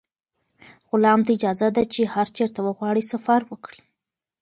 غلام ته اجازه ده چې هر چېرته وغواړي سفر وکړي.